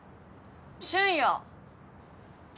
俊也。